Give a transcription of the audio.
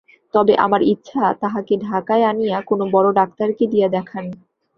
তবে আমার ইচ্ছা তাহাকে ঢাকায় আনিয়া কোনো বড় ডাক্তারকে দিয়া দেখান।